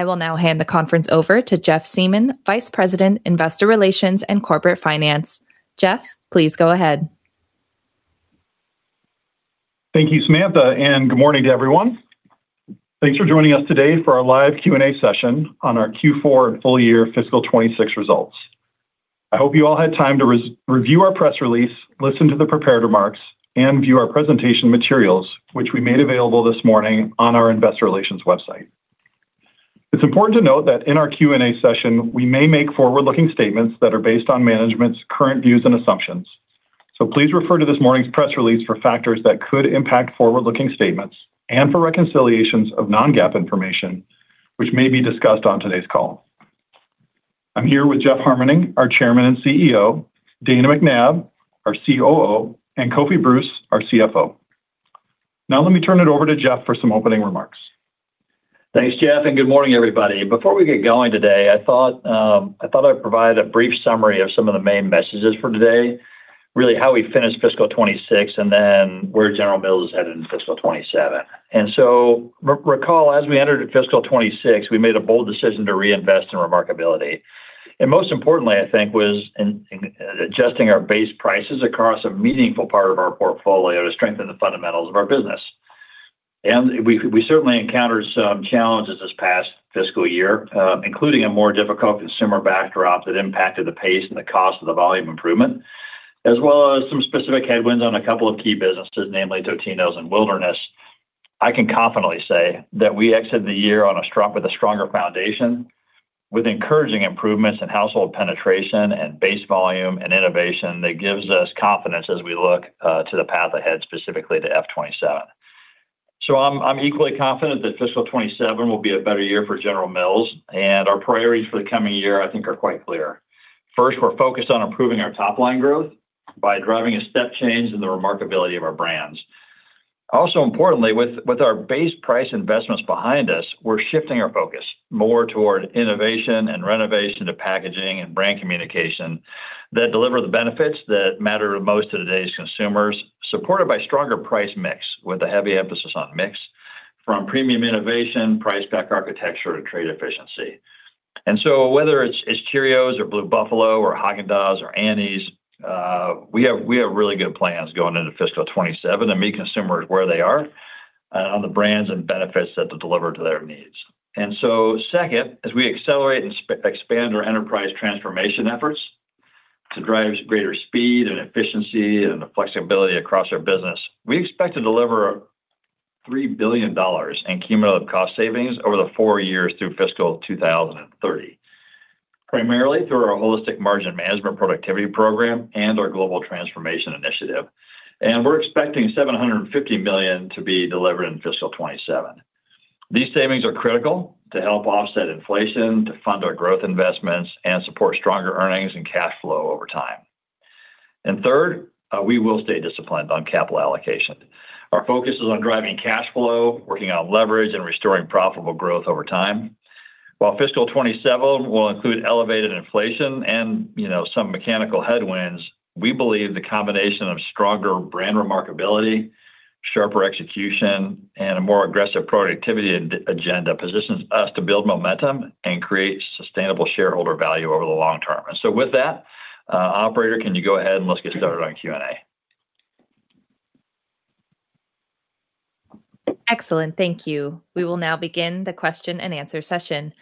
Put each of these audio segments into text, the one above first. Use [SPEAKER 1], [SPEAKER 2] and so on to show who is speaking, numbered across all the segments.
[SPEAKER 1] I will now hand the conference over to Jeff Siemon, Vice President, Investor Relations and Corporate Finance. Jeff, please go ahead.
[SPEAKER 2] Thank you, Samantha. Good morning to everyone. Thanks for joining us today for our live Q&A session on our Q4 and full year fiscal 2026 results. I hope you all had time to review our press release, listen to the prepared remarks, and view our presentation materials, which we made available this morning on our investor relations website. It's important to note that in our Q&A session, we may make forward-looking statements that are based on management's current views and assumptions. Please refer to this morning's press release for factors that could impact forward-looking statements and for reconciliations of non-GAAP information, which may be discussed on today's call. I'm here with Jeff Harmening, our Chairman and CEO, Dana McNabb, our COO, and Kofi Bruce, our CFO. Let me turn it over to Jeff for some opening remarks.
[SPEAKER 3] Thanks, Jeff. Good morning, everybody. Before we get going today, I thought I'd provide a brief summary of some of the main messages for today, really how we finished fiscal 2026, then where General Mills is headed in fiscal 2027. Recall, as we entered fiscal 2026, we made a bold decision to reinvest in remarkability. Most importantly, I think, was in adjusting our base prices across a meaningful part of our portfolio to strengthen the fundamentals of our business. We certainly encountered some challenges this past fiscal year, including a more difficult consumer backdrop that impacted the pace and the cost of the volume improvement, as well as some specific headwinds on a couple of key businesses, namely Totino's and Wilderness. I can confidently say that we exit the year with a stronger foundation, with encouraging improvements in household penetration and base volume and innovation that gives us confidence as we look to the path ahead, specifically to FY 2027. I'm equally confident that fiscal 2027 will be a better year for General Mills, and our priorities for the coming year, I think are quite clear. First, we're focused on improving our top-line growth by driving a step change in the remarkability of our brands. Also importantly, with our base price investments behind us, we're shifting our focus more toward innovation and renovation to packaging and brand communication that deliver the benefits that matter most to today's consumers, supported by stronger price mix, with a heavy emphasis on mix from premium innovation, price pack architecture, to trade efficiency. Whether it's Cheerios or Blue Buffalo or Häagen-Dazs or Annie's, we have really good plans going into fiscal 2027 to meet consumers where they are on the brands and benefits that deliver to their needs. Second, as we accelerate and expand our enterprise transformation efforts to drive greater speed and efficiency and flexibility across our business, we expect to deliver $3 billion in cumulative cost savings over the four years through fiscal 2030, primarily through our Holistic Margin Management Productivity Program and our Global Transformation Initiative. We're expecting $750 million to be delivered in fiscal 2027. These savings are critical to help offset inflation, to fund our growth investments, and support stronger earnings and cash flow over time. Third, we will stay disciplined on capital allocation. Our focus is on driving cash flow, working on leverage, and restoring profitable growth over time. While fiscal 2027 will include elevated inflation and some mechanical headwinds, we believe the combination of stronger brand remarkability, sharper execution, and a more aggressive productivity agenda positions us to build momentum and create sustainable shareholder value over the long term. With that, operator, can you go ahead and let's get started on Q&A.
[SPEAKER 1] Excellent. Thank you. We will now begin the question and answer session.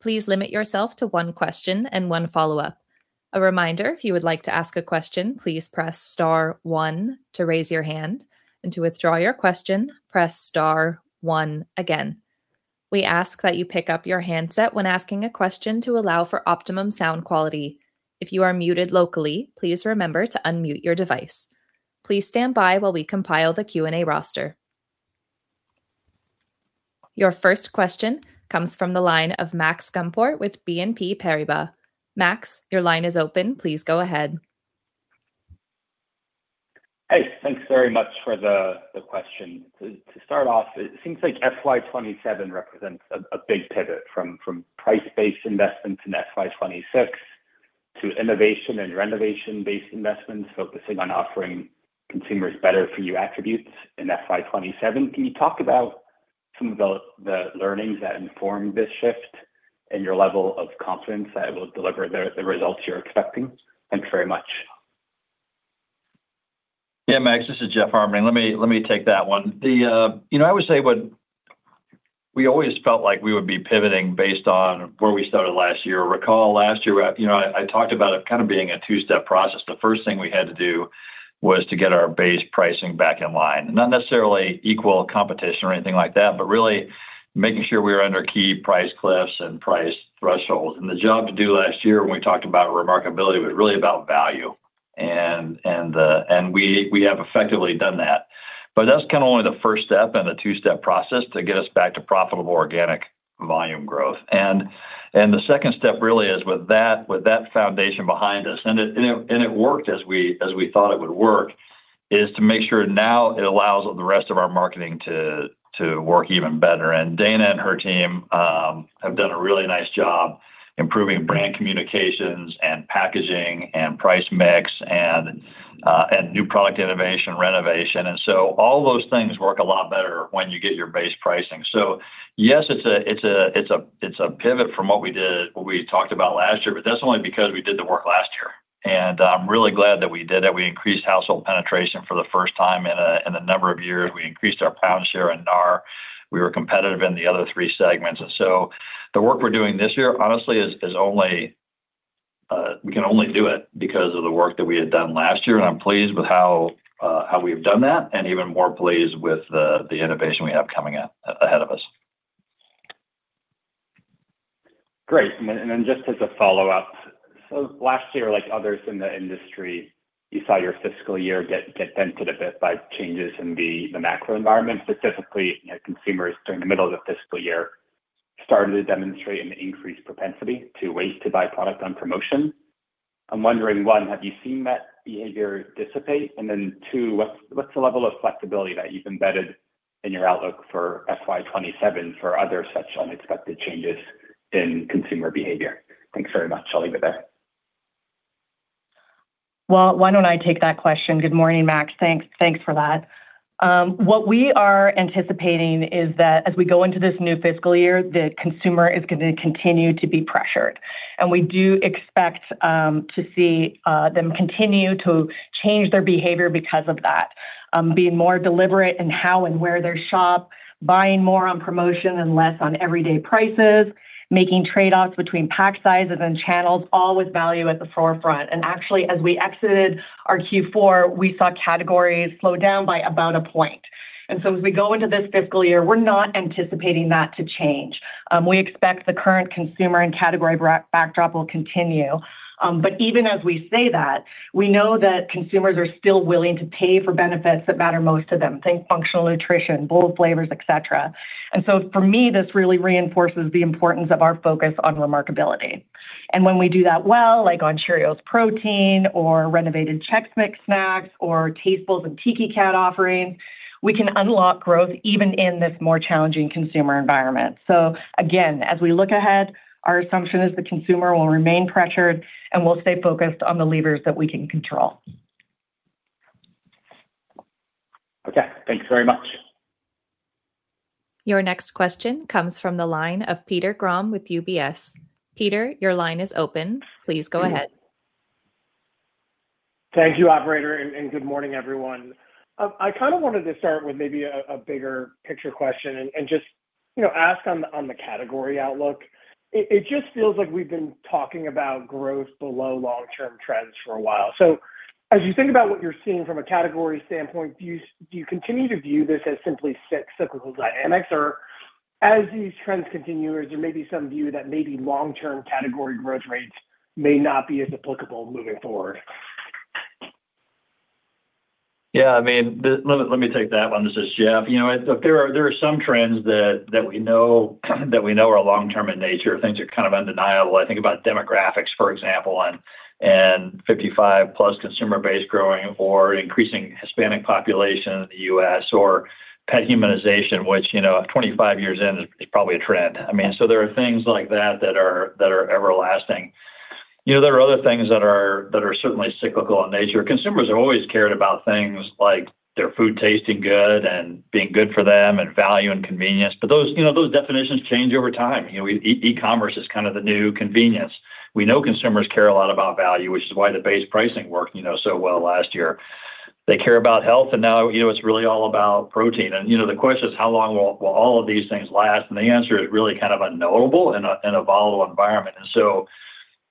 [SPEAKER 1] Please limit yourself to one question and one follow-up. A reminder, if you would like to ask a question, please press star one to raise your hand, and to withdraw your question, press star one again. We ask that you pick up your handset when asking a question to allow for optimum sound quality. If you are muted locally, please remember to unmute your device. Please stand by while we compile the Q&A roster. Your first question comes from the line of Max Gumport with BNP Paribas. Max, your line is open. Please go ahead.
[SPEAKER 4] Hey, thanks very much for the question. To start off, it seems like FY 2027 represents a big pivot from price-based investments in FY 2026 to innovation and renovation-based investments focusing on offering consumers better for you attributes in FY 2027. Can you talk about some of the learnings that informed this shift and your level of confidence that it will deliver the results you're expecting? Thank you very much.
[SPEAKER 3] Yeah, Max. This is Jeff Harmening. Let me take that one. I would say we always felt like we would be pivoting based on where we started last year. Recall last year, I talked about it kind of being a two-step process. The first thing we had to do was to get our base pricing back in line. Not necessarily equal competition or anything like that, but really making sure we were under key price cliffs and price thresholds. The job to do last year when we talked about remarkability was really about value. We have effectively done that. That's kind of only the first step in a two-step process to get us back to profitable organic volume growth. The second step really is with that foundation behind us, and it worked as we thought it would work, is to make sure now it allows the rest of our marketing to work even better. Dana and her team have done a really nice job improving brand communications and packaging and price mix and new product innovation, renovation. All those things work a lot better when you get your base pricing. Yes, it's a pivot from what we did, what we talked about last year, but that's only because we did the work last year. I'm really glad that we did it. We increased household penetration for the first time in a number of years. We increased our pound share in NAR. We were competitive in the other three segments. The work we're doing this year, honestly, we can only do it because of the work that we had done last year, and I'm pleased with how we have done that, and even more pleased with the innovation we have coming out ahead of us.
[SPEAKER 4] Great. Just as a follow-up, last year, like others in the industry, you saw your fiscal year get dented a bit by changes in the macro environment. Specifically, consumers during the middle of the fiscal year started to demonstrate an increased propensity to wait to buy product on promotion. I'm wondering, one, have you seen that behavior dissipate? Two, what's the level of flexibility that you've embedded in your outlook for FY 2027 for other such unexpected changes in consumer behavior? Thanks very much. I'll leave it there.
[SPEAKER 5] Well, why don't I take that question. Good morning, Max. Thanks for that. What we are anticipating is that as we go into this new fiscal year, the consumer is going to continue to be pressured. We do expect to see them continue to change their behavior because of that. Being more deliberate in how and where they shop, buying more on promotion and less on everyday prices, making trade-offs between pack sizes and channels, all with value at the forefront. Actually, as we exited our Q4, we saw categories slow down by about one point. As we go into this fiscal year, we're not anticipating that to change. We expect the current consumer and category backdrop will continue. Even as we say that, we know that consumers are still willing to pay for benefits that matter most to them. Think functional nutrition, bold flavors, et cetera. For me, this really reinforces the importance of our focus on remarkability. When we do that well, like on Cheerios Protein or renovated Chex Mix snacks or Tastefuls and Tiki Cat offerings, we can unlock growth even in this more challenging consumer environment. Again, as we look ahead, our assumption is the consumer will remain pressured, and we'll stay focused on the levers that we can control.
[SPEAKER 4] Okay, thanks very much.
[SPEAKER 1] Your next question comes from the line of Peter Grom with UBS. Peter, your line is open. Please go ahead.
[SPEAKER 6] Thank you, operator, and good morning, everyone. I kind of wanted to start with maybe a bigger picture question and just ask on the category outlook. It just feels like we've been talking about growth below long-term trends for a while. As you think about what you're seeing from a category standpoint, do you continue to view this as simply cyclical dynamics? Or as these trends continue, is there maybe some view that long-term category growth rates may not be as applicable moving forward?
[SPEAKER 3] Yeah, let me take that one. This is Jeff. There are some trends that we know are long-term in nature. Things are kind of undeniable. I think about demographics, for example, and 55+ consumer base growing or increasing Hispanic population in the U.S. or pet humanization, which 25 years in is probably a trend. There are things like that that are everlasting. There are other things that are certainly cyclical in nature. Consumers have always cared about things like their food tasting good and being good for them and value and convenience, but those definitions change over time. E-commerce is kind of the new convenience. We know consumers care a lot about value, which is why the base pricing worked so well last year. They care about health, and now it's really all about protein. The question is, how long will all of these things last? The answer is really kind of unknowable in a volatile environment.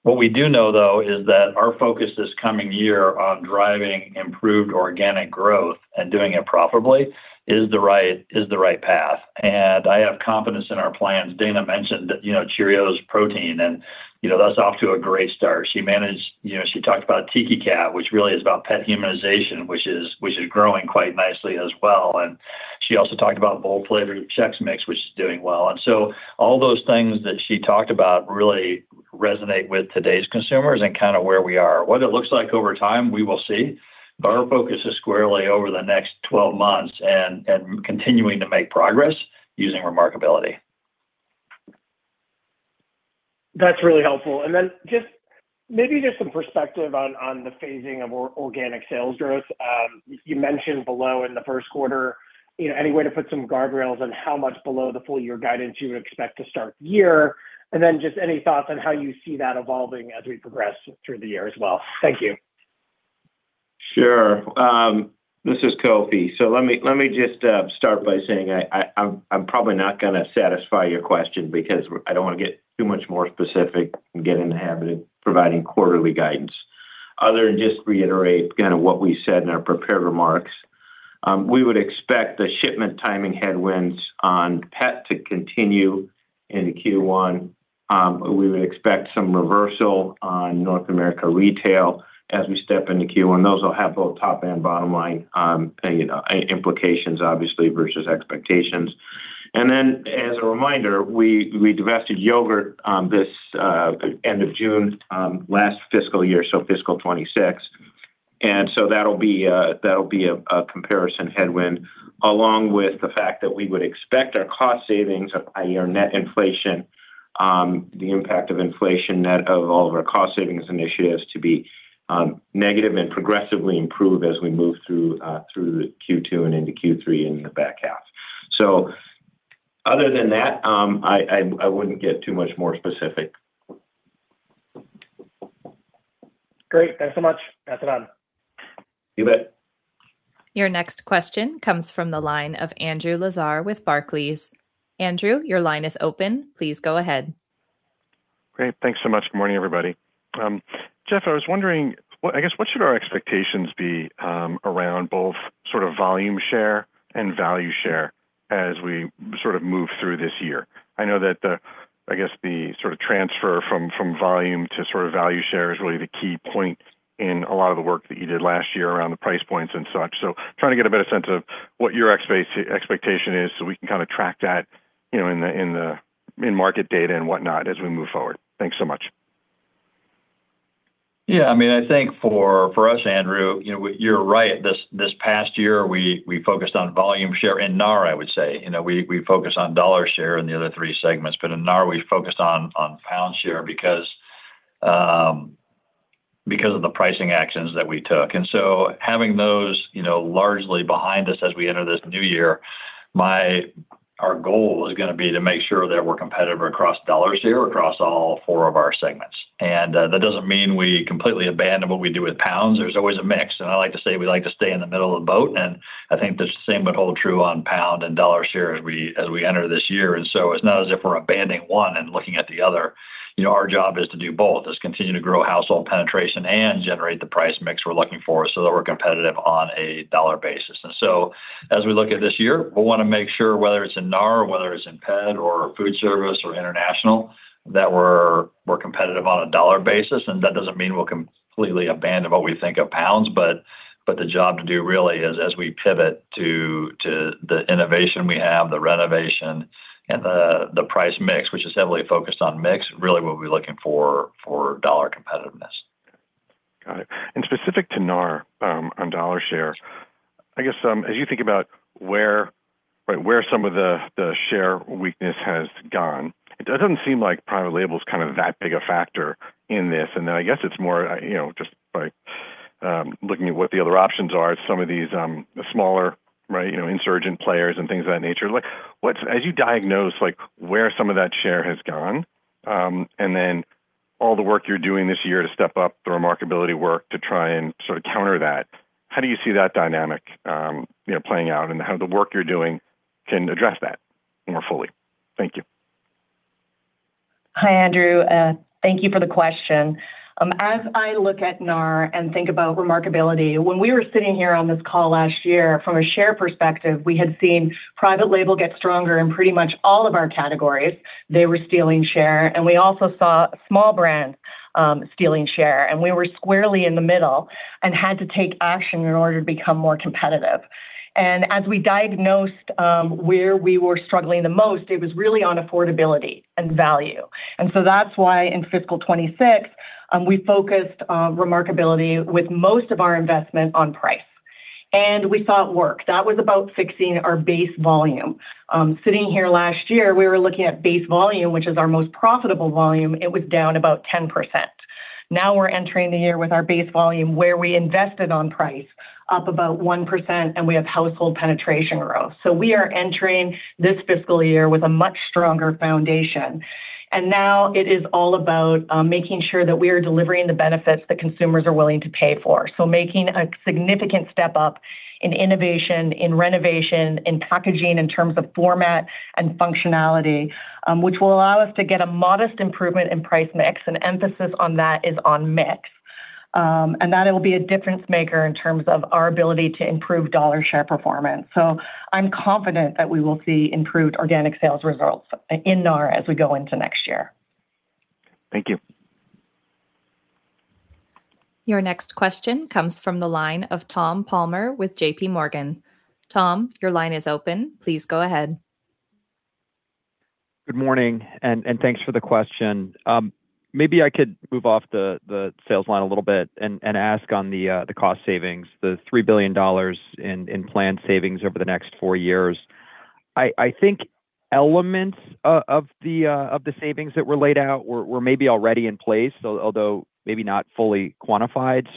[SPEAKER 3] What we do know, though, is that our focus this coming year on driving improved organic growth and doing it profitably is the right path. I have confidence in our plans. Dana mentioned Cheerios Protein, and that's off to a great start. She talked about Tiki Cat, which really is about pet humanization, which is growing quite nicely as well. She also talked about bold flavored Chex Mix, which is doing well. All those things that she talked about really resonate with today's consumers and kind of where we are. What it looks like over time, we will see, but our focus is squarely over the next 12 months and continuing to make progress using remarkability.
[SPEAKER 6] That's really helpful. Just maybe just some perspective on the phasing of organic sales growth. You mentioned below in the first quarter, any way to put some guardrails on how much below the full year guidance you would expect to start the year? Just any thoughts on how you see that evolving as we progress through the year as well. Thank you.
[SPEAKER 7] Sure. This is Kofi. Let me just start by saying I'm probably not going to satisfy your question because I don't want to get too much more specific and get in the habit of providing quarterly guidance. Other than just reiterate what we said in our prepared remarks. We would expect the shipment timing headwinds on pet to continue into Q1. We would expect some reversal on North America Retail as we step into Q1. Those will have both top and bottom line implications, obviously, versus expectations. As a reminder, we divested yogurt this end of June last fiscal year, so FY 2026. That'll be a comparison headwind, along with the fact that we would expect our cost savings, i.e., the impact of inflation net of all of our cost savings initiatives to be negative and progressively improve as we move through Q2 and into Q3 in the back half. Other than that, I wouldn't get too much more specific.
[SPEAKER 6] Great. Thanks so much. That's a run.
[SPEAKER 7] You bet.
[SPEAKER 1] Your next question comes from the line of Andrew Lazar with Barclays. Andrew, your line is open. Please go ahead.
[SPEAKER 8] Great. Thanks so much. Good morning, everybody. Jeff, I was wondering, I guess what should our expectations be around both volume share and value share as we move through this year? I know that the transfer from volume to value share is really the key point in a lot of the work that you did last year around the price points and such. Trying to get a better sense of what your expectation is so we can track that in the market data and whatnot as we move forward. Thanks so much.
[SPEAKER 3] Yeah, I think for us, Andrew, you're right. This past year, we focused on volume share in NAR, I would say. We focused on dollar share in the other three segments, but in NAR, we focused on pound share because of the pricing actions that we took. Having those largely behind us as we enter this new year, our goal is going to be to make sure that we're competitive across dollar share, across all four of our segments. That doesn't mean we completely abandon what we do with pounds. There's always a mix, and I like to say we like to stay in the middle of the boat, and I think the same would hold true on pound and dollar share as we enter this year. It's not as if we're abandoning one and looking at the other. Our job is to do both, is continue to grow household penetration and generate the price mix we're looking for so that we're competitive on a dollar basis. As we look at this year, we want to make sure whether it's in NAR or whether it's in PED or food service or international, that we're competitive on a dollar basis, and that doesn't mean we'll completely abandon what we think of pounds. The job to do really is as we pivot to the innovation we have, the renovation and the price mix, which is heavily focused on mix, really what we're looking for dollar competitiveness.
[SPEAKER 8] Got it. Specific to NAR, on dollar share, as you think about where some of the share weakness has gone, it doesn't seem like private label is that big a factor in this. It's more just by looking at what the other options are, some of these smaller insurgent players and things of that nature. As you diagnose where some of that share has gone, all the work you're doing this year to step up the remarkability work to try and counter that, how do you see that dynamic playing out and how the work you're doing can address that more fully? Thank you.
[SPEAKER 5] Hi, Andrew. Thank you for the question. As I look at NAR and think about remarkability, when we were sitting here on this call last year, from a share perspective, we had seen private label get stronger in pretty much all of our categories. They were stealing share, we also saw small brands stealing share, and we were squarely in the middle and had to take action in order to become more competitive. As we diagnosed where we were struggling the most, it was really on affordability and value. That's why in fiscal 2026, we focused on remarkability with most of our investment on price. We saw it work. That was about fixing our base volume. Sitting here last year, we were looking at base volume, which is our most profitable volume. It was down about 10%. Now we're entering the year with our base volume where we invested on price up about 1%, and we have household penetration growth. We are entering this fiscal year with a much stronger foundation. Now it is all about making sure that we are delivering the benefits that consumers are willing to pay for. Making a significant step up in innovation, in renovation, in packaging, in terms of format and functionality, which will allow us to get a modest improvement in price mix, an emphasis on that is on mix. That it will be a difference maker in terms of our ability to improve dollar share performance. I'm confident that we will see improved organic sales results in NAR as we go into next year.
[SPEAKER 8] Thank you.
[SPEAKER 1] Your next question comes from the line of Tom Palmer with JPMorgan. Tom, your line is open. Please go ahead.
[SPEAKER 9] Good morning. Thanks for the question. Maybe I could move off the sales line a little bit and ask on the cost savings, the $3 billion in planned savings over the next four years. I think elements of the savings that were laid out were maybe already in place, although maybe not fully quantified.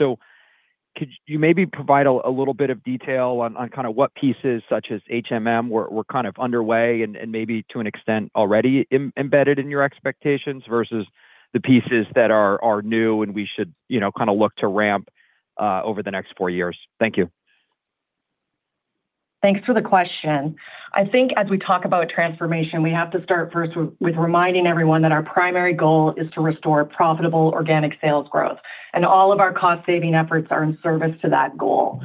[SPEAKER 9] Could you maybe provide a little bit of detail on what pieces such as HMM were underway and maybe to an extent already embedded in your expectations versus the pieces that are new and we should look to ramp up over the next four years? Thank you.
[SPEAKER 5] Thanks for the question. I think as we talk about transformation, we have to start first with reminding everyone that our primary goal is to restore profitable organic sales growth. All of our cost saving efforts are in service to that goal.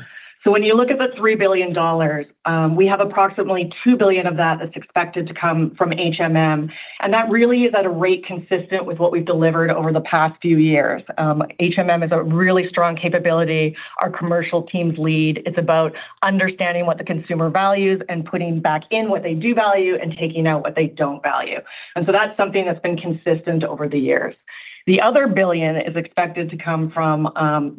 [SPEAKER 5] When you look at the $3 billion, we have approximately $2 billion of that's expected to come from HMM, and that really is at a rate consistent with what we've delivered over the past few years. HMM is a really strong capability our commercial teams lead. It's about understanding what the consumer values and putting back in what they do value and taking out what they don't value. That's something that's been consistent over the years. The other billion is expected to come from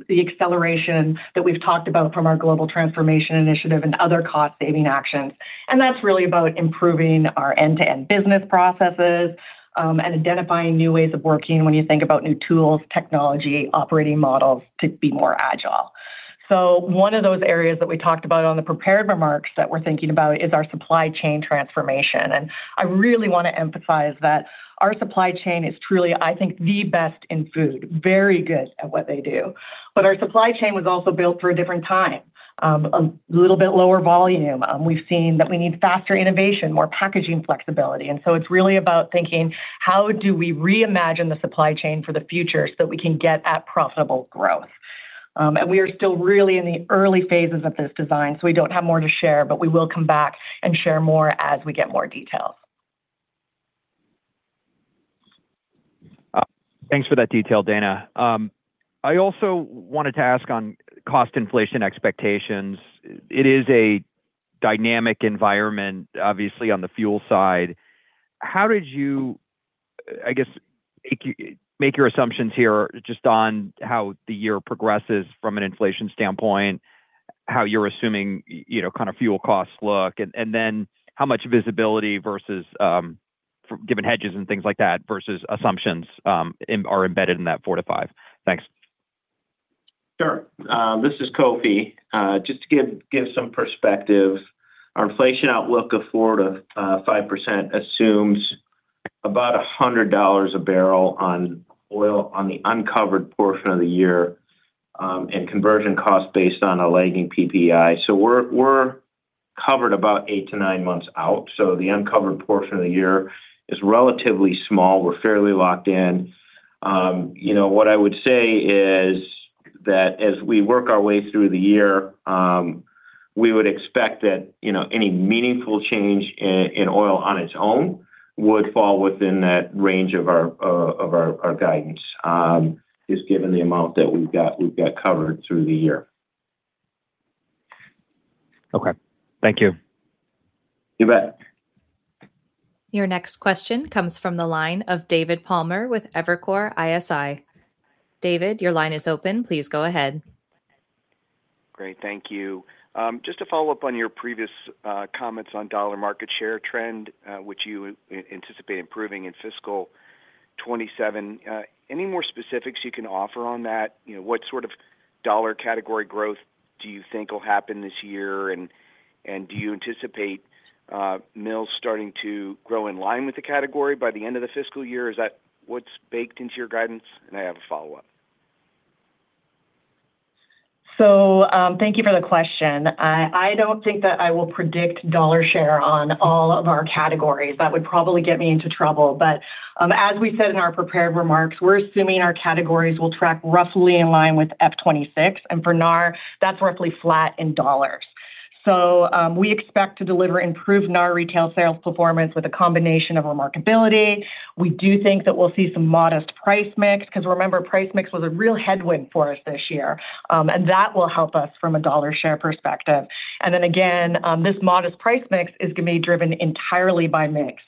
[SPEAKER 5] the acceleration that we've talked about from our Global Transformation Initiative and other cost-saving actions. That's really about improving our end-to-end business processes and identifying new ways of working when you think about new tools, technology, operating models to be more agile. One of those areas that we talked about on the prepared remarks that we're thinking about is our supply chain transformation. I really want to emphasize that our supply chain is truly, I think, the best in food. Very good at what they do. Our supply chain was also built for a different time, a little bit lower volume. We've seen that we need faster innovation, more packaging flexibility. It's really about thinking, how do we reimagine the supply chain for the future so that we can get at profitable growth? We are still really in the early phases of this design, so we don't have more to share, but we will come back and share more as we get more details.
[SPEAKER 9] Thanks for that detail, Dana. I also wanted to ask on cost inflation expectations. It is a dynamic environment, obviously, on the fuel side. How did you, I guess, make your assumptions here just on how the year progresses from an inflation standpoint, how you're assuming kind of fuel costs look, and then how much visibility versus given hedges and things like that versus assumptions are embedded in that 4%-5%? Thanks.
[SPEAKER 7] Sure. This is Kofi. Just to give some perspective, our inflation outlook of 4% to 5% assumes about $100 a barrel on oil on the uncovered portion of the year, and conversion costs based on a lagging PPI. We're covered about eight to nine months out, so the uncovered portion of the year is relatively small. We're fairly locked in. What I would say is that as we work our way through the year, we would expect that any meaningful change in oil on its own would fall within that range of our guidance, just given the amount that we've got covered through the year.
[SPEAKER 9] Okay. Thank you.
[SPEAKER 7] You bet.
[SPEAKER 1] Your next question comes from the line of David Palmer with Evercore ISI. David, your line is open. Please go ahead.
[SPEAKER 10] Great. Thank you. Just to follow up on your previous comments on dollar market share trend, which you anticipate improving in fiscal 2027, any more specifics you can offer on that? What sort of dollar category growth do you think will happen this year? Do you anticipate Mills starting to grow in line with the category by the end of the fiscal year? Is that what's baked into your guidance? I have a follow-up.
[SPEAKER 5] Thank you for the question. I don't think that I will predict dollar share on all of our categories. That would probably get me into trouble. As we said in our prepared remarks, we're assuming our categories will track roughly in line with FY 2026. For NAR, that's roughly flat in dollars. We expect to deliver improved NAR retail sales performance with a combination of remarkability. We do think that we'll see some modest price mix, because remember, price mix was a real headwind for us this year. That will help us from a dollar share perspective. Then again, this modest price mix is going to be driven entirely by mix,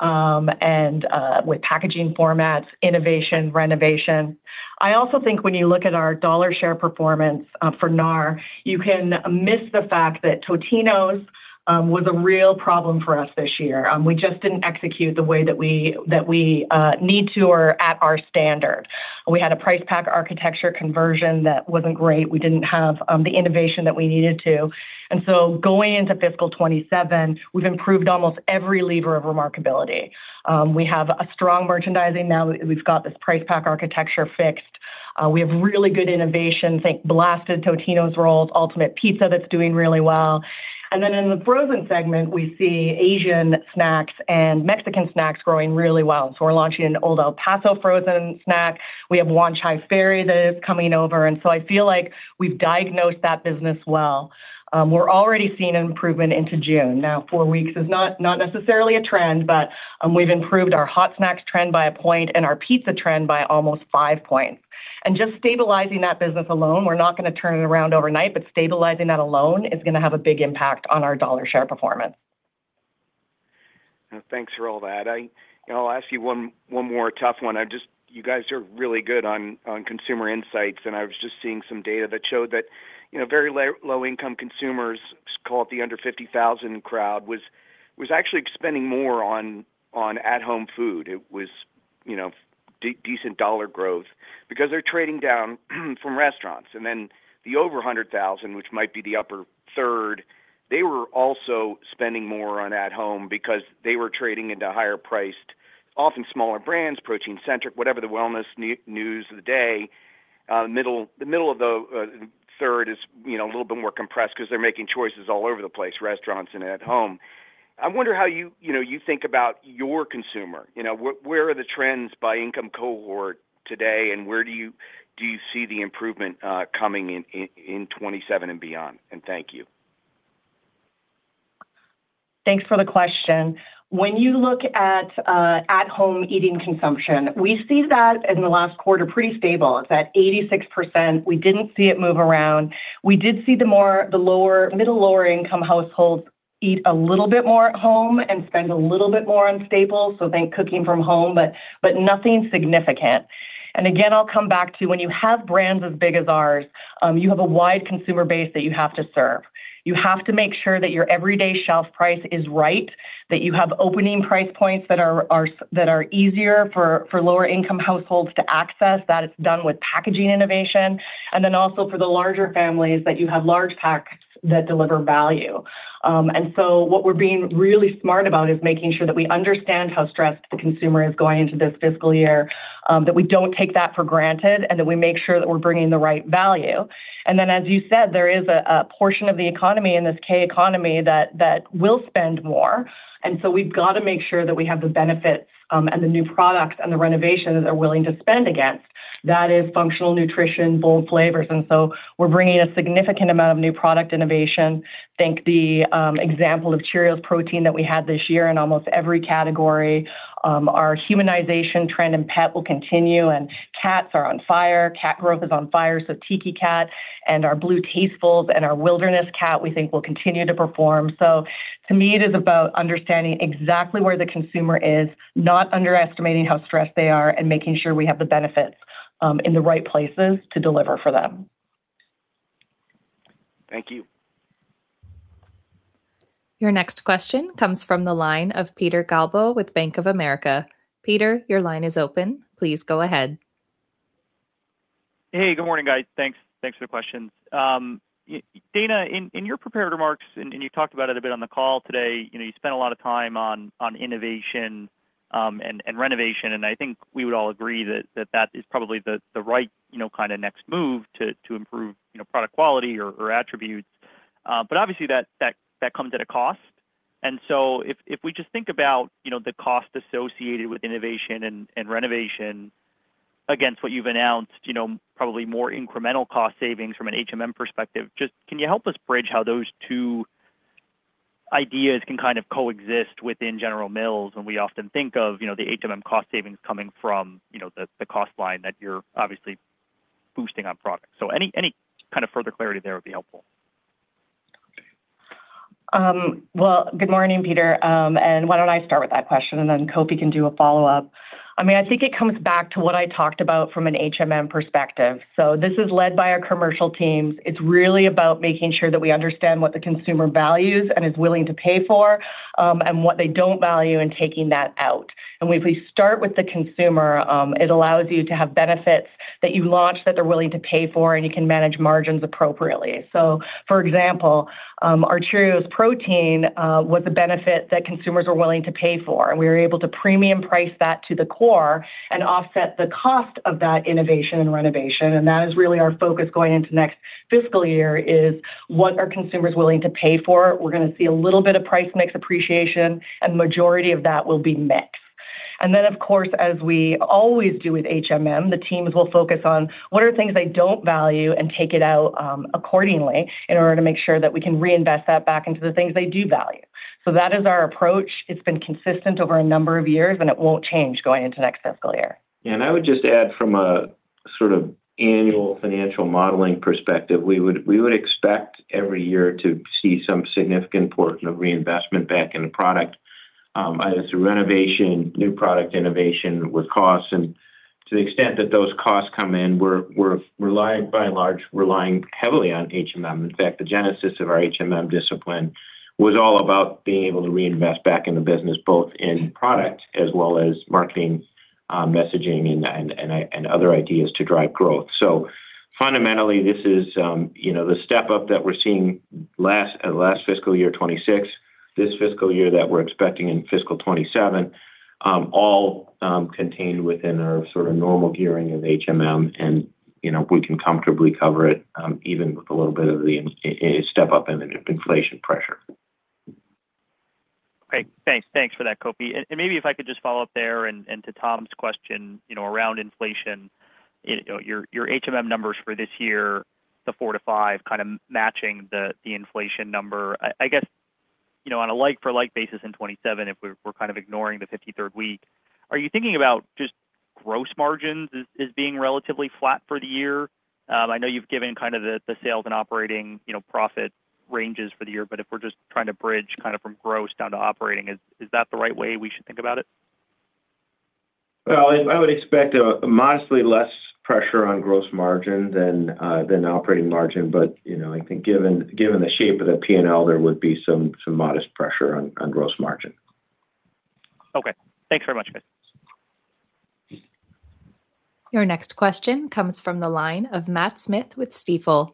[SPEAKER 5] and with packaging formats, innovation, renovation. I also think when you look at our dollar share performance for NAR, you can miss the fact that Totino's was a real problem for us this year. We just didn't execute the way that we need to or at our standard. We had a price pack architecture conversion that wasn't great. We didn't have the innovation that we needed to. So going into fiscal 2027, we've improved almost every lever of remarkability. We have a strong merchandising now that we've got this price pack architecture fixed. We have really good innovation. Think Blasted Totino's Rolls, Ultimate Pizza that's doing really well. Then in the frozen segment, we see Asian snacks and Mexican snacks growing really well. We're launching an Old El Paso frozen snack. We have Wanchai Ferry that is coming over. So I feel like we've diagnosed that business well. We're already seeing improvement into June. Now, four weeks is not necessarily a trend, but we've improved our hot snacks trend by a point and our pizza trend by almost five points. Just stabilizing that business alone, we're not going to turn it around overnight, but stabilizing that alone is going to have a big impact on our dollar share performance.
[SPEAKER 10] Thanks for all that. I'll ask you one more tough one. You guys are really good on consumer insights. I was just seeing some data that showed that very low-income consumers, let's call it the under $50,000 crowd, was actually spending more on at-home food. It was decent dollar growth because they're trading down from restaurants. Then the over $100,000, which might be the upper third, they were also spending more on at home because they were trading into higher priced, often smaller brands, protein centric, whatever the wellness news of the day. The middle of the third is a little bit more compressed because they're making choices all over the place, restaurants and at home. I wonder how you think about your consumer. Where are the trends by income cohort today, and where do you see the improvement coming in 2027 and beyond? Thank you.
[SPEAKER 5] Thanks for the question. When you look at at-home eating consumption, we see that in the last quarter pretty stable. It's at 86%. We didn't see it move around. We did see the middle-lower income households eat a little bit more at home and spend a little bit more on staples, so think cooking from home, but nothing significant. Again, I'll come back to when you have brands as big as ours, you have a wide consumer base that you have to serve. You have to make sure that your everyday shelf price is right, that you have opening price points that are easier for lower income households to access, that it's done with packaging innovation, and then also for the larger families, that you have large packs that deliver value. What we're being really smart about is making sure that we understand how stressed the consumer is going into this fiscal year, that we don't take that for granted, and that we make sure that we're bringing the right value. As you said, there is a portion of the economy in this K economy that will spend more. We've got to make sure that we have the benefits, and the new products and the renovations they're willing to spend against. That is functional nutrition, bold flavors. We're bringing a significant amount of new product innovation. Think the example of Cheerios Protein that we had this year in almost every category. Our humanization trend in pet will continue, and cats are on fire. Cat growth is on fire. Tiki Cat and our BLUE Tastefuls and our BLUE Wilderness cat we think will continue to perform. To me, it is about understanding exactly where the consumer is, not underestimating how stressed they are, and making sure we have the benefits in the right places to deliver for them.
[SPEAKER 10] Thank you.
[SPEAKER 1] Your next question comes from the line of Peter Galbo with Bank of America. Peter, your line is open. Please go ahead.
[SPEAKER 11] Good morning, guys. Thanks for the questions. Dana, in your prepared remarks, you talked about it a bit on the call today, you spent a lot of time on innovation and renovation, and I think we would all agree that that is probably the right next move to improve product quality or attributes. Obviously that comes at a cost. If we just think about the cost associated with innovation and renovation against what you've announced, probably more incremental cost savings from an HMM perspective. Can you help us bridge how those two ideas can kind of coexist within General Mills? We often think of the HMM cost savings coming from the cost line that you're obviously boosting on products. Any kind of further clarity there would be helpful.
[SPEAKER 5] Well, good morning, Peter. Why don't I start with that question and then Kofi can do a follow-up. I think it comes back to what I talked about from an HMM perspective. This is led by our commercial teams. It's really about making sure that we understand what the consumer values and is willing to pay for, and what they don't value and taking that out. If we start with the consumer, it allows you to have benefits that you launch that they're willing to pay for, and you can manage margins appropriately. For example, our Cheerios Protein was a benefit that consumers were willing to pay for, and we were able to premium price that to the core and offset the cost of that innovation and renovation. That is really our focus going into next fiscal year is what are consumers willing to pay for? We're going to see a little bit of price mix appreciation, and the majority of that will be mix. Then, of course, as we always do with HMM, the teams will focus on what are things they don't value and take it out accordingly in order to make sure that we can reinvest that back into the things they do value. That is our approach. It's been consistent over a number of years, and it won't change going into next fiscal year.
[SPEAKER 7] I would just add from a sort of annual financial modeling perspective, we would expect every year to see some significant portion of reinvestment back in the product, either through renovation, new product innovation with costs. To the extent that those costs come in, we're relying by and large, heavily on HMM. In fact, the genesis of our HMM discipline was all about being able to reinvest back in the business, both in product as well as marketing, messaging and other ideas to drive growth. Fundamentally, this is the step-up that we're seeing last FY 2026, this fiscal year that we're expecting in FY 2027, all contained within our sort of normal gearing of HMM. We can comfortably cover it, even with a little bit of the step-up in inflation pressure.
[SPEAKER 11] Great. Thanks for that, Kofi. Maybe if I could just follow up there and to Tom's question around inflation, your HMM numbers for this year, the 4-5 kind of matching the inflation number. I guess, on a like for like basis in 2027, if we're kind of ignoring the 53rd week, are you thinking about just gross margins as being relatively flat for the year? I know you've given kind of the sales and operating profit ranges for the year, but if we're just trying to bridge kind of from gross down to operating, is that the right way we should think about it?
[SPEAKER 7] Well, I would expect a modestly less pressure on gross margin than operating margin. I think given the shape of the P&L, there would be some modest pressure on gross margin.
[SPEAKER 11] Okay. Thanks very much, guys.
[SPEAKER 1] Your next question comes from the line of Matt Smith with Stifel.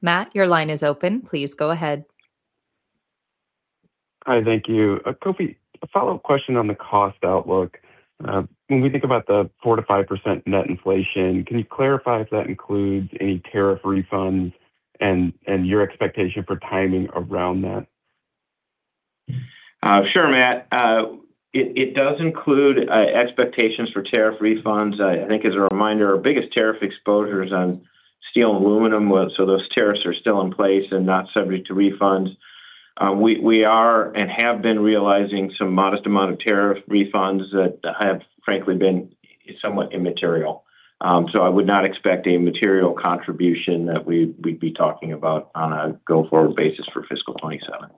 [SPEAKER 1] Matt, your line is open. Please go ahead.
[SPEAKER 12] Hi, thank you. Kofi, a follow-up question on the cost outlook. When we think about the 4%-5% net inflation, can you clarify if that includes any tariff refunds and your expectation for timing around that?
[SPEAKER 7] Sure, Matt. It does include expectations for tariff refunds. I think as a reminder, our biggest tariff exposure is on steel and aluminum. Those tariffs are still in place and not subject to refunds. We are and have been realizing some modest amount of tariff refunds that have frankly been somewhat immaterial. I would not expect a material contribution that we'd be talking about on a go-forward basis for fiscal 2027.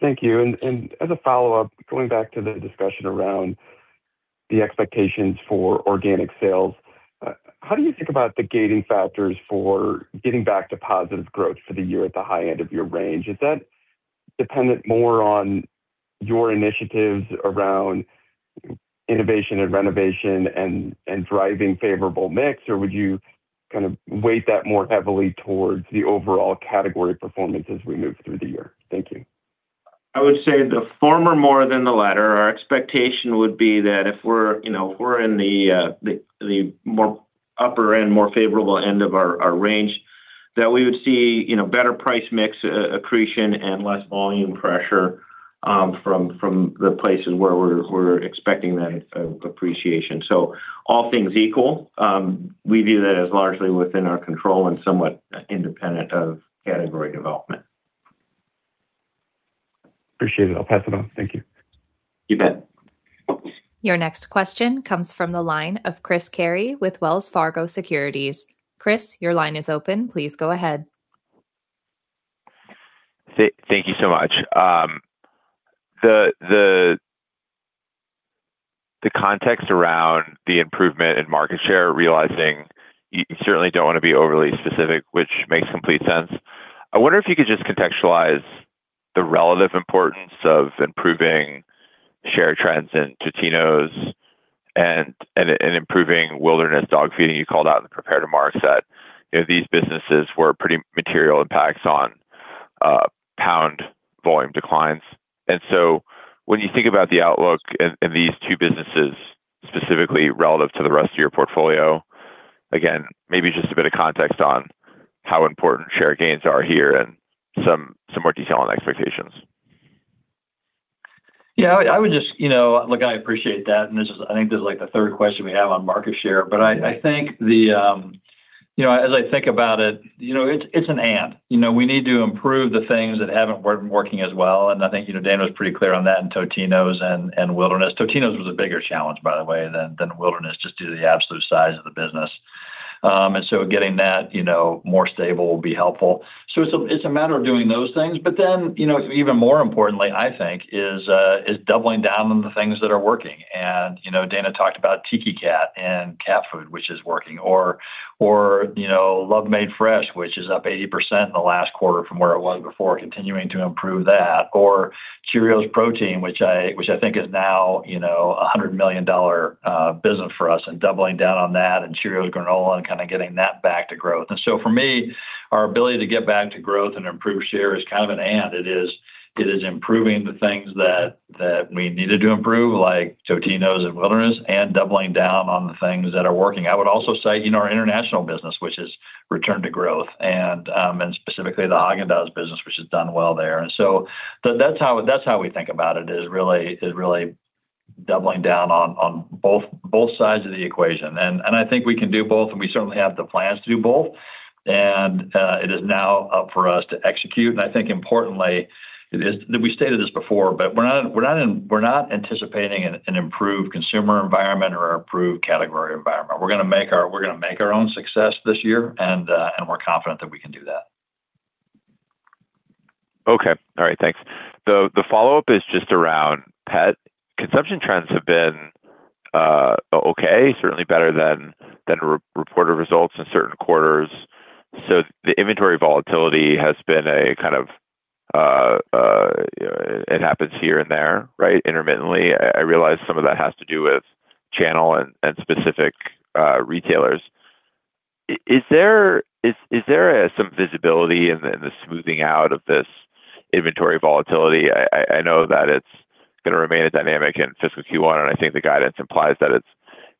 [SPEAKER 12] Thank you. As a follow-up, going back to the discussion around the expectations for organic sales, how do you think about the gating factors for getting back to positive growth for the year at the high end of your range? Is that dependent more on your initiatives around innovation and renovation and driving favorable mix, or would you kind of weight that more heavily towards the overall category performance as we move through the year? Thank you.
[SPEAKER 7] I would say the former more than the latter. Our expectation would be that if we're in the more upper end, more favorable end of our range, that we would see better price mix accretion and less volume pressure from the places where we're expecting that appreciation. All things equal, we view that as largely within our control and somewhat independent of category development.
[SPEAKER 12] Appreciate it. I'll pass it on. Thank you.
[SPEAKER 7] You bet.
[SPEAKER 1] Your next question comes from the line of Chris Carey with Wells Fargo Securities. Chris, your line is open. Please go ahead.
[SPEAKER 13] Thank you so much. The context around the improvement in market share, realizing you certainly don't want to be overly specific, which makes complete sense. I wonder if you could just contextualize the relative importance of improving share trends in Totino's and improving Wilderness dog feeding. You called out in the prepared remarks that these businesses were pretty material impacts on pound volume declines. When you think about the outlook in these two businesses, specifically relative to the rest of your portfolio, again, maybe just a bit of context on how important share gains are here and some more detail on expectations.
[SPEAKER 3] Yeah, look, I appreciate that. I think this is, like, the third question we have on market share, as I think about it's an and. We need to improve the things that haven't been working as well, I think Dana was pretty clear on that in Totino's and Wilderness. Totino's was a bigger challenge, by the way, than Wilderness, just due to the absolute size of the business. Getting that more stable will be helpful. It's a matter of doing those things. Even more importantly, I think, is doubling down on the things that are working. Dana talked about Tiki Cat and cat food, which is working. Love Made Fresh, which is up 80% in the last quarter from where it was before, continuing to improve that. Cheerios Protein, which I think is now a $100 million business for us, doubling down on that and Cheerios Granola and kind of getting that back to growth. For me, our ability to get back to growth and improve share is kind of an and. It is improving the things that we needed to improve, like Totino's and Wilderness, doubling down on the things that are working. I would also say our international business, which has returned to growth, specifically the Häagen-Dazs business, which has done well there. That's how we think about it, is really doubling down on both sides of the equation. I think we can do both, we certainly have the plans to do both. It is now up for us to execute. I think importantly, we stated this before, we're not anticipating an improved consumer environment or improved category environment. We're going to make our own success this year, we're confident that we can do that.
[SPEAKER 13] Okay. All right, thanks. The follow-up is just around pet. Consumption trends have been okay, certainly better than reported results in certain quarters. The inventory volatility has been a kind of, it happens here and there, right, intermittently. I realize some of that has to do with channel and specific retailers. Is there some visibility in the smoothing out of this inventory volatility? I know that it's going to remain a dynamic in fiscal Q1, and I think the guidance implies that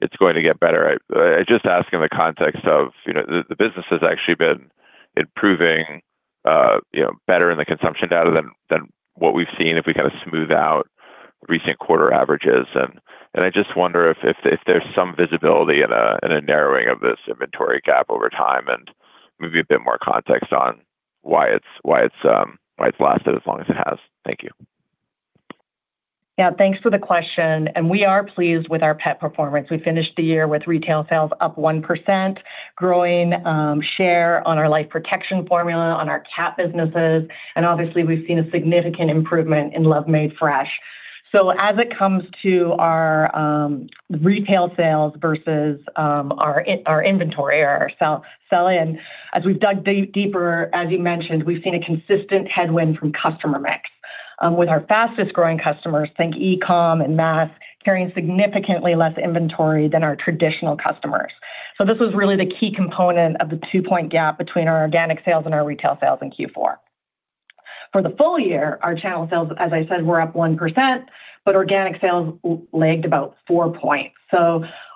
[SPEAKER 13] it's going to get better. I just ask in the context of the business has actually been improving better in the consumption data than what we've seen if we kind of smooth out recent quarter averages. I just wonder if there's some visibility and a narrowing of this inventory gap over time and maybe a bit more context on why it's lasted as long as it has. Thank you.
[SPEAKER 5] Yeah, thanks for the question. We are pleased with our pet performance. We finished the year with retail sales up 1%, growing share on our Life Protection Formula on our cat businesses, and obviously, we've seen a significant improvement in Love Made Fresh. As it comes to our retail sales versus our inventory or our sell-in, as we've dug deeper, as you mentioned, we've seen a consistent headwind from customer mix, with our fastest-growing customers, think e-com and mass, carrying significantly less inventory than our traditional customers. This was really the key component of the two-point gap between our organic sales and our retail sales in Q4. For the full year, our channel sales, as I said, were up 1%, but organic sales lagged about four points.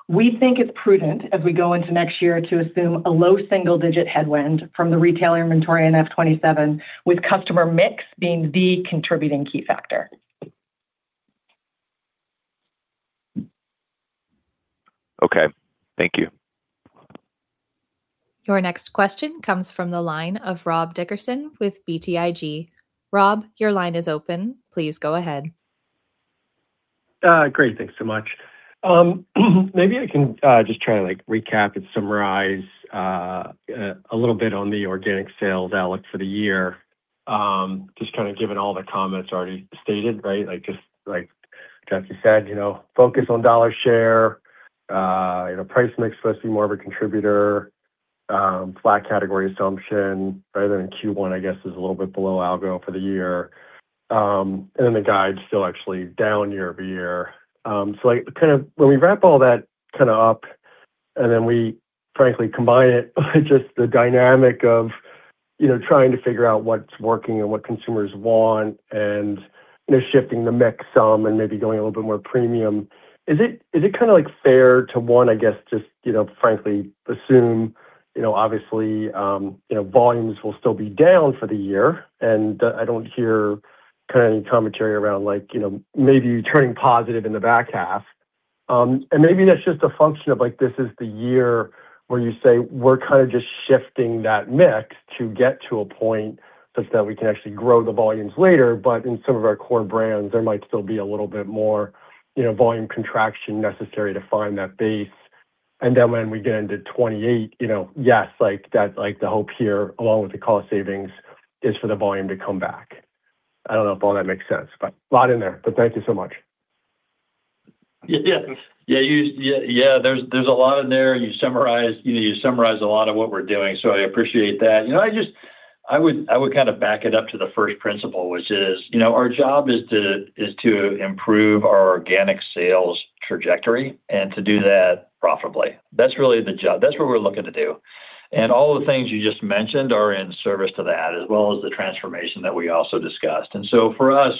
[SPEAKER 5] We think it's prudent as we go into next year to assume a low single-digit headwind from the retail inventory in FY 2027, with customer mix being the contributing key factor.
[SPEAKER 13] Okay. Thank you.
[SPEAKER 1] Your next question comes from the line of Rob Dickerson with BTIG. Rob, your line is open. Please go ahead.
[SPEAKER 14] Great. Thanks so much. Maybe I can just try to recap and summarize a little bit on the organic sales outlook for the year. Just kind of given all the comments already stated. Just like Jeff said, focus on dollar share. Price mix is supposed to be more of a contributor. Flat category assumption better than Q1, I guess is a little bit below algo for the year. The guide's still actually down year-over-year. When we wrap all that up and then we frankly combine it just the dynamic of trying to figure out what's working and what consumers want and shifting the mix some and maybe going a little bit more premium. Is it kind of fair to one, I guess, just frankly assume, obviously, volumes will still be down for the year and I don't hear any commentary around maybe turning positive in the back half. Maybe that's just a function of this is the year where you say we're kind of just shifting that mix to get to a point such that we can actually grow the volumes later. In some of our core brands, there might still be a little bit more volume contraction necessary to find that base. When we get into 2028, yes, the hope here, along with the cost savings, is for the volume to come back. I don't know if all that makes sense, but a lot in there. Thank you so much.
[SPEAKER 3] Yeah. There's a lot in there. You summarized a lot of what we're doing, so I appreciate that. I would kind of back it up to the first principle, which is, our job is to improve our organic sales trajectory and to do that profitably. That's really the job. That's what we're looking to do. All of the things you just mentioned are in service to that, as well as the transformation that we also discussed. For us,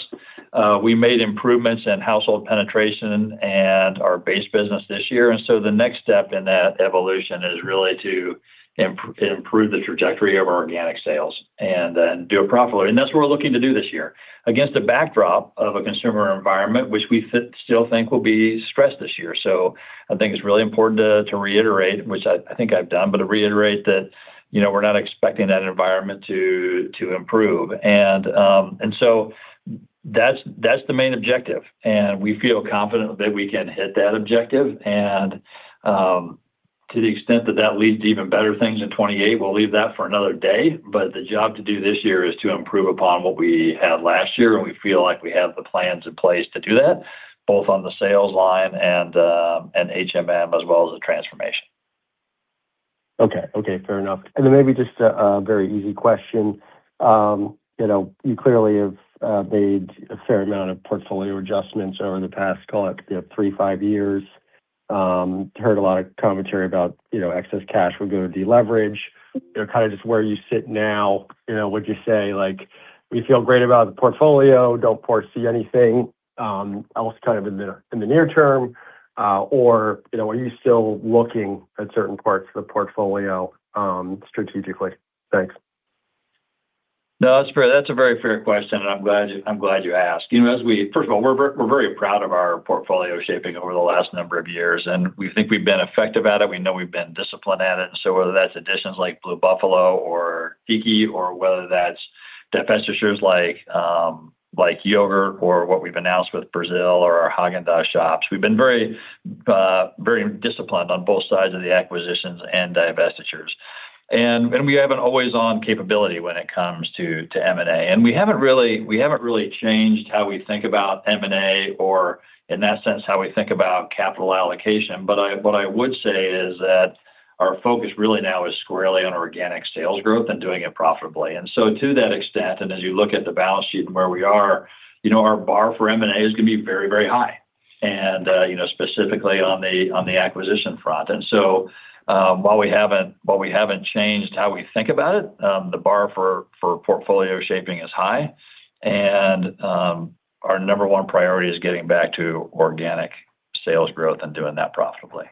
[SPEAKER 3] we made improvements in household penetration and our base business this year. The next step in that evolution is really to improve the trajectory of our organic sales and then do it profitably. That's what we're looking to do this year against a backdrop of a consumer environment which we still think will be stressed this year. I think it's really important to reiterate, which I think I've done, but to reiterate that we're not expecting that environment to improve. That's the main objective, and we feel confident that we can hit that objective. To the extent that that leads to even better things in 2028, we'll leave that for another day. The job to do this year is to improve upon what we had last year, and we feel like we have the plans in place to do that, both on the sales line and HMM as well as the transformation.
[SPEAKER 14] Okay. Fair enough. Then maybe just a very easy question. You clearly have made a fair amount of portfolio adjustments over the past, call it three, five years. Heard a lot of commentary about excess cash would go to deleverage. Kind of just where you sit now, would you say, like, we feel great about the portfolio, don't foresee anything else kind of in the near term? Are you still looking at certain parts of the portfolio strategically? Thanks.
[SPEAKER 3] No, that's a very fair question, and I'm glad you asked. First of all, we're very proud of our portfolio shaping over the last number of years, and we think we've been effective at it. We know we've been disciplined at it. So whether that's additions like Blue Buffalo or Tiki, or whether that's divestitures like yogurt or what we've announced with Brazil or our Häagen-Dazs shops, we've been very disciplined on both sides of the acquisitions and divestitures. We have an always-on capability when it comes to M&A. We haven't really changed how we think about M&A or, in that sense, how we think about capital allocation. What I would say is that our focus really now is squarely on organic sales growth and doing it profitably. To that extent, and as you look at the balance sheet and where we are, our bar for M&A is going to be very high and specifically on the acquisition front. While we haven't changed how we think about it, the bar for portfolio shaping is high. Our number one priority is getting back to organic sales growth and doing that profitably.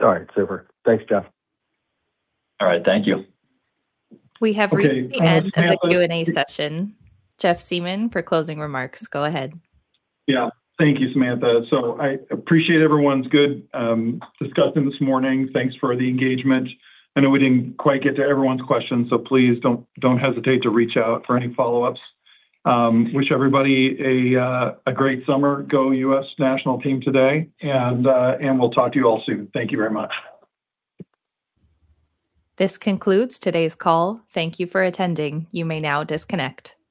[SPEAKER 14] All right, super. Thanks, Jeff.
[SPEAKER 3] All right. Thank you.
[SPEAKER 1] We have reached the end of the Q&A session. Jeff Siemon for closing remarks, go ahead.
[SPEAKER 2] Yeah. Thank you, Samantha. I appreciate everyone's good discussion this morning. Thanks for the engagement. I know we didn't quite get to everyone's questions, so please don't hesitate to reach out for any follow-ups. Wish everybody a great summer. Go US National team today, and we'll talk to you all soon. Thank you very much.
[SPEAKER 1] This concludes today's call. Thank you for attending. You may now disconnect.